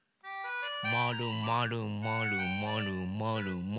まるまるまるまるまるまる。